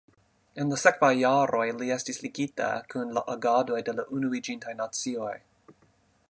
En la sekvaj jaroj li estis ligita kun la agadoj de la Unuiĝintaj Nacioj.